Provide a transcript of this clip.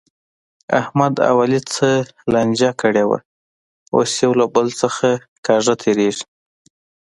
احمد او علي څه لانجه کړې وه، اوس یو له بل نه کاږه تېرېږي.